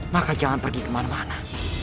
maka jangan pergi kemana mana